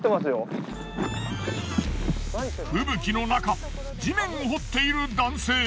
吹雪のなか地面を掘っている男性。